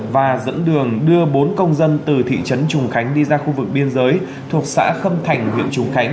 và dẫn đường đưa bốn công dân từ thị trấn trùng khánh đi ra khu vực biên giới thuộc xã khâm thành huyện trùng khánh